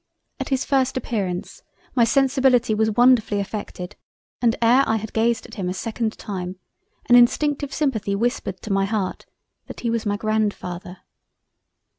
At his first Appearance my Sensibility was wonderfully affected and e'er I had gazed at him a 2d time, an instinctive sympathy whispered to my Heart, that he was my Grandfather.